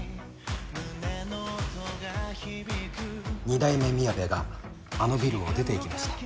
二代目みやべがあのビルを出ていきました。